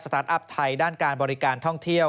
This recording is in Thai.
ตาร์ทอัพไทยด้านการบริการท่องเที่ยว